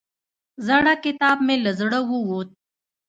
زړه کتاب مې له زړه ووت.